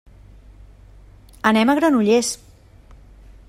Anem a Granollers.